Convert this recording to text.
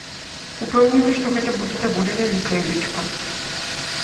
Упэўнены, што гэта будзе даволі вялікая лічба.